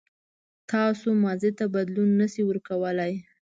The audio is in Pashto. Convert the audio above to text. تاسو ماضي ته بدلون نه شئ ورکولای.